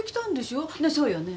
ねっそうよね。